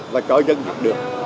và cho dân nhận được